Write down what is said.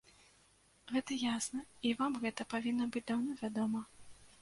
Гэта ясна, і вам гэта павінна быць даўно вядома.